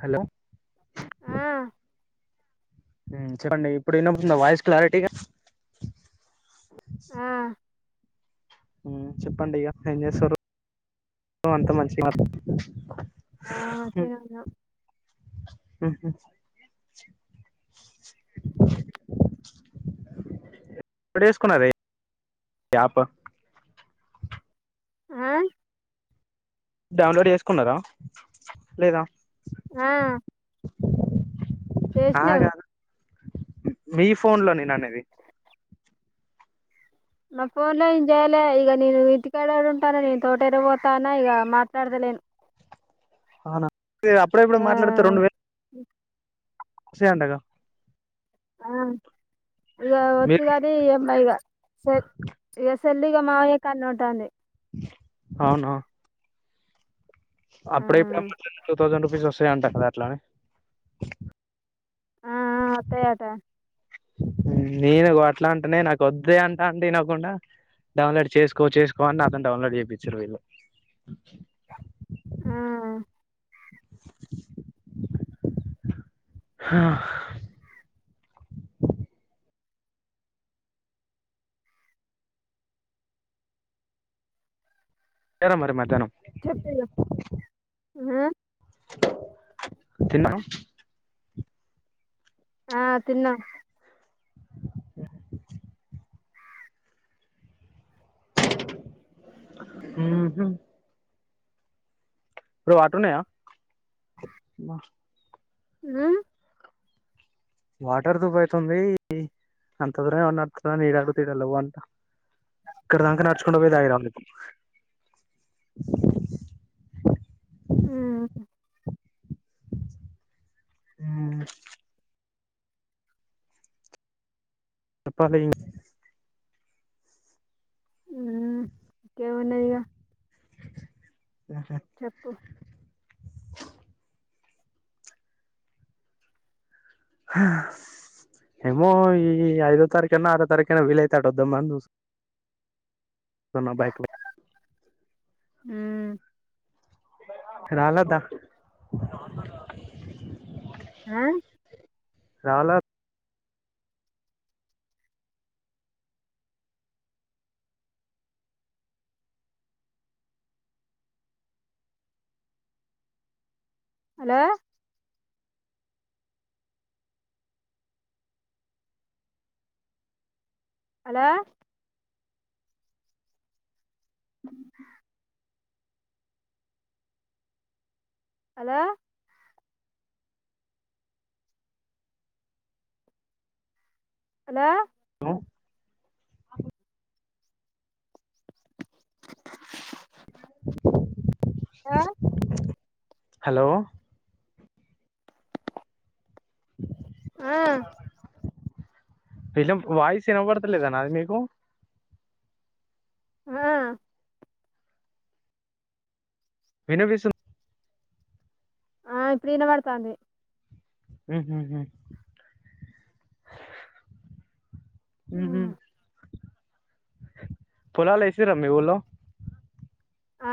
Hello ఆ ఉమ్ చెప్పండి ఇప్పుడు [unintelligible] వాయిస్ క్లారిటీగా ఆ ఊ చెప్పండి ఇగ ఏం చేస్తారు ఊ అంత మంచిగా [unintelligible] ఆ వచ్చినాను ఉహు ఎప్పుడేసుకున్నది యాప్ ఆ డౌన్లోడ్ చేసుకున్నారా లేదా ఆ ఆ చేసినవ్ కాదు మీ ఫోన్ లో నేను అనేది నా ఫోన్ లో ఏం జేయాలే ఇగ నేను ఇంటి కాడ ఏడ ఉంటాను నేను తోటైతే పోతానా ఇగ మాట్లాడుత లెన్ అవునా అప్పుడో ఎప్పుడో మాట్లాడితే రెండు వేలు [inaudible] ‌సే అంటగా ఆ ఇగ వచ్చు మీరు గానీ [unintelligible] సెల్ ఇగ మావయ్య కాడనే ఉంటాంది అవునా ఆ అప్పుడే ఎప్పుడో [inaudible] టూ థౌసండ్ రూపీస్ వస్తాయంట కదా అట్లానే ఆ ఆ ఒత్తయి అట నేను అగో అట్లా అంటేనే నాకు వద్దే అంటా ఉంటే వినకుండా డౌన్లోడ్ చేసుకో చేసుకో అని నాతోని డౌన్లోడ్ చేపిచ్చిరు వీళ్ళు ఆ చేశారా మరి మధ్యానం ఆ తిన్నా ఆ తిన్నా ఉహు బ్రో వాటరున్నాయ హ్మ్ వాటర్ దోబైతుంది అంత దూరం ఎవరు నడుత్తరని ఈడ అడిగితే ఈడ లెవ్వంట అక్కడిదాకా నడుచుకుంటా పోయి తాగి రావాలి ఇప్పుడు ఉమ్ హ్మ్ చెప్పాలి ఇ హ్మ్ ఏమున్నాయి ఇగ అదే చెప్పు హా హ్ ఏమో ఈ ఐదో తారీఖన్న ఆరో తారీఖనాట్ వీలైతే అటు అద్దామని చూస్తున్న కొన్న బైక్ లే హుమ్మ్ రాలేదా ఆ రాలేద్ హలో హలో హలో హలో ఎవరు? హలో ఆ పిలంప్ వాయిస్ వినబడతలేద నాది మీకు ఆ వినిపిస్తుంద్ ఆ ఇప్పుడు ఇనబడుతాంది హు హు హుమ్మ్ హు హుమ్మ్ పొలాలు ఏసిర్రా మీ ఊర్లో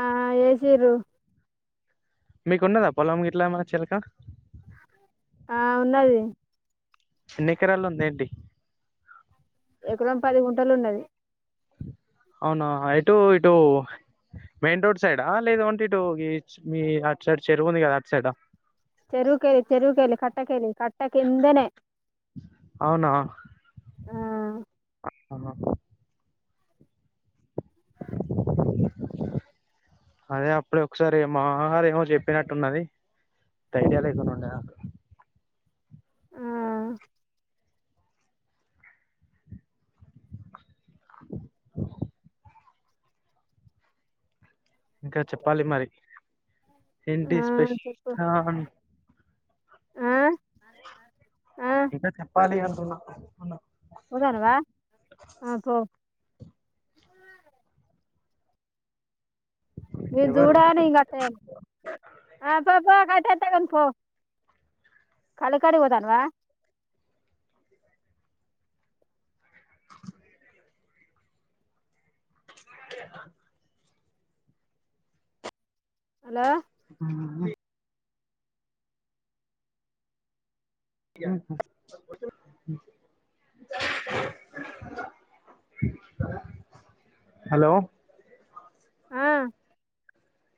ఆ ఏసిర్రు మీకు ఉన్నదా పోలంగిట్ల ఏమన్నా చేలక ఆ ఉన్నది ఎన్ని ఎకరాలు ఉంది ఏంటి? ఎకరం పది గుంటలు ఉన్నది అవునా ఎటు ఇటు మెయిన్ రోడ్ సైడా లేదు అంటే ఇటు మీ అటు సైడ్ చెరువు ఉంది కదా అటు సైడా? చెరువు కేయి చెరువు కెల్లి కట్టా కేల్లి కట్ట కిందనే ఆ ఆహా అదే అప్పుడే ఒకసారి మా రెమో చెప్పినట్టు ఉన్నది పెయ్యే లేకుండా ఉంటయా ఉమ్మ్ ఇంకా చెప్పాలి మరి ఏంటి ఆ స్పెష చెప్పు ఆ ఆ ఇక చెప్పాలి అంటన్నా పోతనవా ఆ పో నీ ఎవరు దూడ నేను కట్టేయలే ఆ పో పో కట్టే పో కాలి కడ పోతనవా [inaudible] ఓకే హలో ఉమ్మ్ హలో ఆ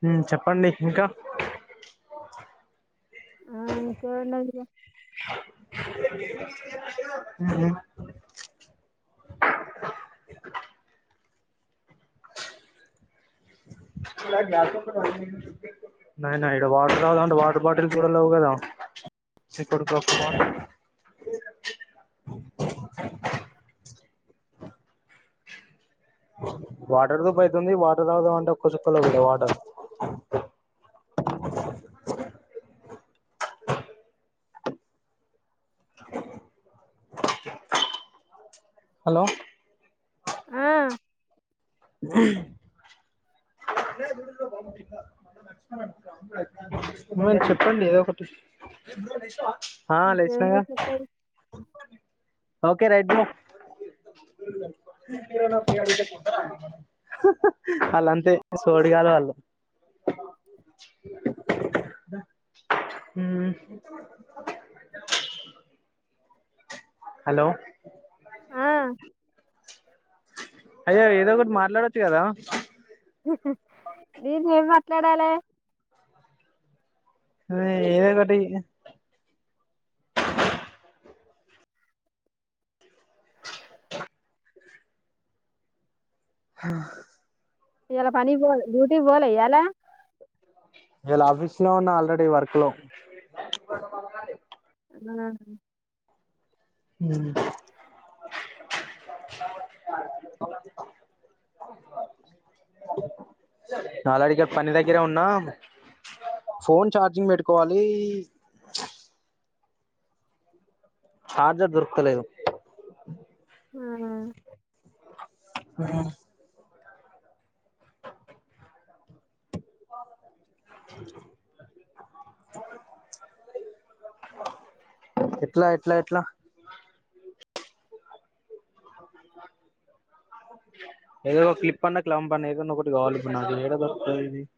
హు చెప్పండి ఇంకా ఆ ఇంకేం ఉంది అండి ఇగ ఉహు [unintelligible] నాయన ఇడ వాటర్ తగుదామంటే వాటర్ బాటిల్ కూడా లేవు కదా చిక్కుడు [unintelligible] వాటర్ ధూప్ అయితుంది వాటర్ తాగుదామంటే ఒక్క చుక్కలేదు ఇడా వాటర్ హలో ఆ [inaudible] మీరు చెప్పండి ఏదో ఒకటి ఆ లేచినగా ఇంకేమున్నది చెప్పేది ఓకే రైడ్ వాళ్ళు అంతే సోడిగల్లు వాళ్ళు ఉహూ హలో ఆ అయ్యా ఏదో ఒకటి మాట్లాడొచ్చు కదా నేను ఏ మాట్లాడాలి ఏదో ఒకటి హా ఇయ్యాల పనీకి పోలే డ్యూటీ పోలే ఇయాలా ఇయాల ఆఫీస్ లో ఉన్న ఆల్రెడీ వర్క్ లో ఆ హు [inaudible] ఆల్రెడీ పని దగ్గరే ఉన్నా ఫోన్ చార్జింగ్ పెట్టుకోవాలి చార్జర్ దొరుకుతలేద ఆ ఊ ఎట్లా ఎట్లా ఎట్లా [inaudible] ఏదో ఒక క్లిప్ అన్న క్లాంపు అన్న ఏదోన్న ఒకటి కావాలే ఇప్పుడు యాడ దొరుకుతది ఆది [inaudible]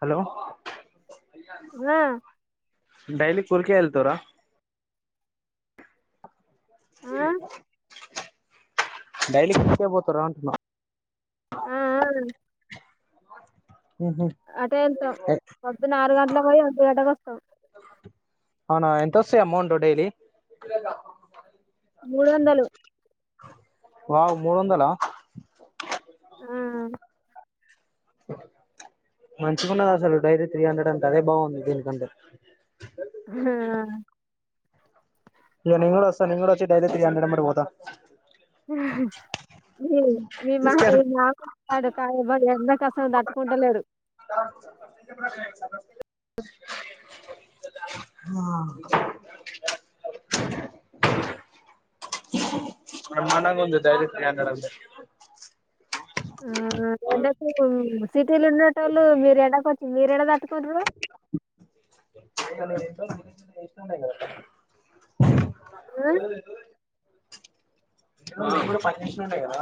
హలో అయ్యా ఆ [inaudible] డైలీ కూలి కే వెళ్తుర్ర ఆ డైలీ కులికే పోతారు అంటున్నా ఆ అవును అటే వెళ్తాం పొద్దునా ఆరు గంటలకి పోయి వంటి గంటకి వస్తాం అవునా ఎంత వస్తది అమౌంట్ డైలీ మూడు వందలు వావ్ మూడు వందలా ఆ మంచికున్నది అసలు డైలీ త్రీ హండ్రెడ్ అంటే అదే బాగుంది దీనికంటే హా ఇయ నింగ్ వస్తాంగ్ వచ్చి డై త్రీ హండ్రెడ్ మ పోతా మీ మీ మా మీ మామస్తాడు కా ఎందుక అసలు తట్టుకుంటలేడు [inaudible] ఆ మ మనం కొ ధైర్యంద ఆ అంట సిటీలు ఉన్న వాళ్ళు మీరు ఎడా మీరెళ దాట్కుండు ఇష్ట క పనిషంట కదా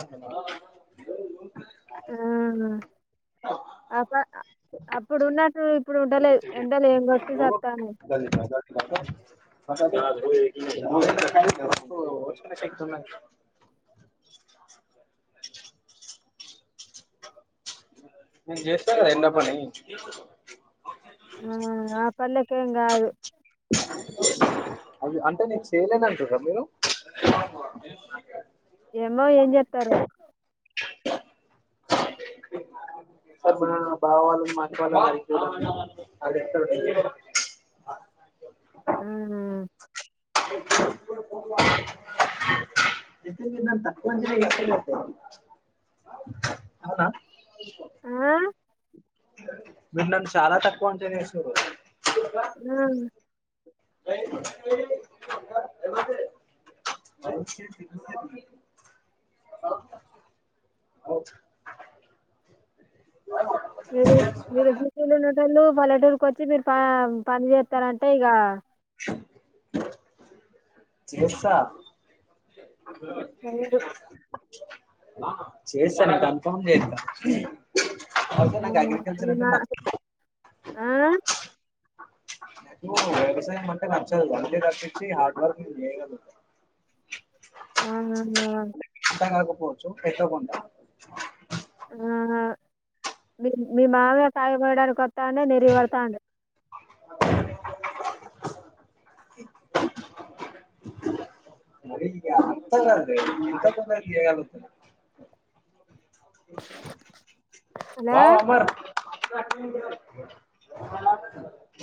అ అప్పుడు ఉన్నట్టు ఇప్పుడు ఉండలే ఎండలు ఏంట్టి చస్తాలి శతున్నా నేను చేసినా కదా ఎండ పని ఆ ఆ పల్కి కా అదు అది అంటే నీకు చేయలేదంటుారా మీరు ఏమో ఏం చెతారు ార్ మన బావ వాళ్ళు మాంచి వాళ్ళు మరి అది ఇస్తారు బ ఆ ఎతేంగా నా తప్పందిర ఎత అవునా ఆ మీరు నన్ను చాలా తక్కువ అంచనా వేశారు ఆ అ అవును మీరు మీరులు ఉన్నటోళ్ళు పల్లెటూరుకి వచ్చి మీరు ప పని చేస్తారంటే ఇక చేస్తా చెయ్యరు అ చేస్తాను కన్ఫామ్ లేదు అవుక ఆ, నాకు అగ్రికల్చర్ మీ అంటే మా నాకు నకు ఆ? కసా ంట వన్ డ కర్ఫ హార్డవర్క్ మీ లే ఆ పోచ్చు ఎతే కొండ ఆహా మీ మీ మావే కాయపోయడానికి కొత్త ానే నెరివడతా అడి అే అ తంగా ఇంత తందగతు హలో వావ అమర్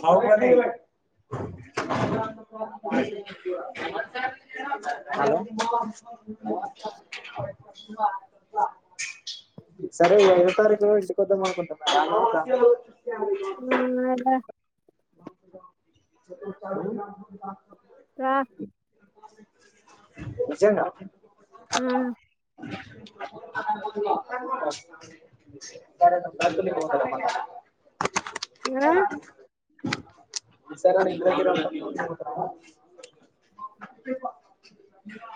అ అది హలో సరే ఐవ తారీఖులో ఇంటికికద్దాం అనుకుంటున్నా ఆ అలా ఆ నిజం గా హ్మ అ [inaudible] ఆ, సరే లే ఇంటి దగ్గరే ఉంటాం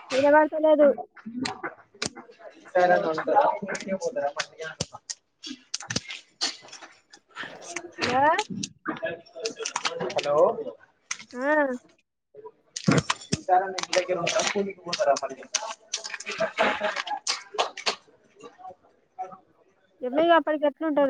తీరవాల్సలేదు పోంద పడి హలో హలో ఆ [inaudible] ఎమగా అప్పటికి ఎట్లా ఉంటదో